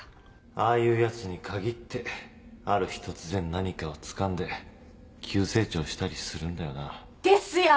ああいうヤツに限ってある日突然何かをつかんで急成長したりするんだよなですよ！